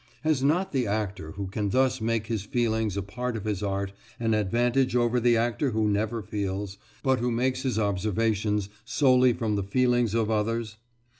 Has not the actor who can thus make his feelings a part of his art an advantage over the actor who never feels, but who makes his observations solely from the feelings of others?